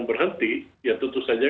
berhenti ya tentu saja